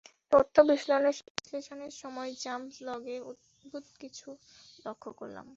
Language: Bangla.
তথ্য বিশ্লেষণের সময় জাম্প লগে অদ্ভুত কিছু লক্ষ্য করলাম।